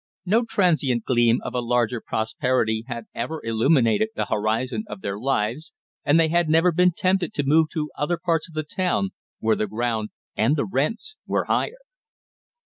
No transient gleam of a larger prosperity had ever illuminated the horizon of their lives, and they had never been tempted to move to other parts of the town where the ground and the rents were higher.